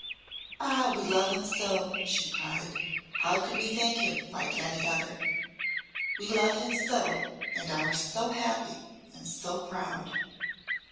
"Ah, we love him so," she cried, "how could we think him like any other? We love him so and are so happy and so proud."